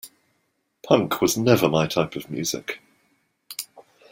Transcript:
Punk was never my type of music.